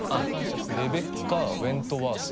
レベッカ・ウェントワース。